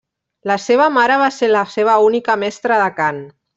La seva mare va ser la seva única mestra de cant.